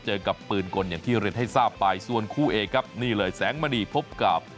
เจอกับปืนกลอย่างที่เรียนให้ทราบไปส่วนคู่เอกครับนี่เลยแสงมณีพบกับ